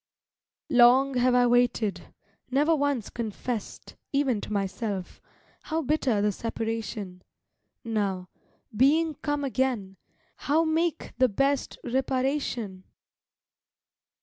Long have I waited, never once confessed, Even to myself, how bitter the separation; Now, being come again, how make the best Reparation?